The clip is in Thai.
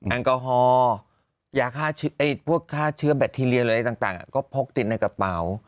แอลกอฮอล์ยาฆ่าพวกฆ่าเชื้อแบคทีเรียหรืออะไรต่างก็พกติดในกระเป๋า